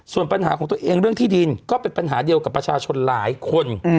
ส่วนปัญหาของตัวเองเรื่องที่ดินก็เป็นปัญหาเดียวกับประชาชนหลายคน